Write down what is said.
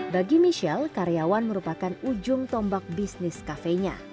bagi michelle karyawan merupakan ujung tombak bisnis cafe nya